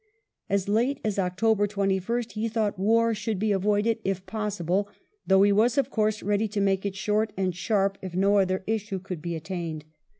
As late as October 21st he thought war should be avoided if possible, though he was, of course, ready to make it short and sharp if no other issue could be attained.